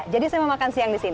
jadi pada waktu yang terbaik